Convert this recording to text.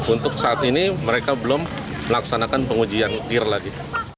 untuk saat ini mereka belum melaksanakan pengujian dear lagi